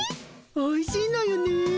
おいしいのよね。